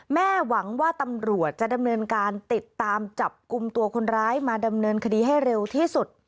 หวังว่าตำรวจจะดำเนินการติดตามจับกลุ่มตัวคนร้ายมาดำเนินคดีให้เร็วที่สุด